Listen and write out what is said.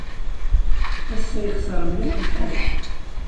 Ass-a yexṣer mliḥ lḥal.